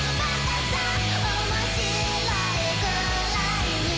「おもしろいくらいに」